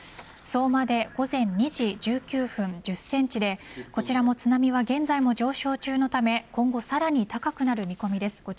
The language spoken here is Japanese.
相馬で午前２時１９分１０センチでこちらの津波は現在も上昇中のため今後さらに高くなる見込みです。